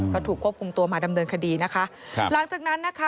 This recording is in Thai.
ก็ถูกควบคุมตัวมาดำเนินคดีนะคะครับหลังจากนั้นนะคะ